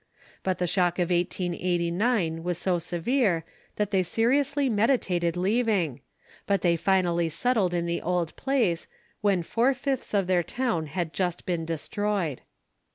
But the shock of 1889 was so severe that they seriously meditated leaving; but they finally settled in the old place, when four fifths of their town had just been destroyed.